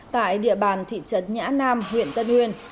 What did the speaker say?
tại địa bàn thị trấn nhã nam huyện tân uyên